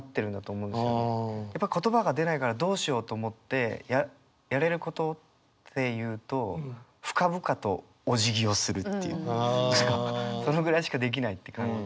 やっぱ言葉が出ないからどうしようと思ってやれることっていうとそのぐらいしかできないって感じ。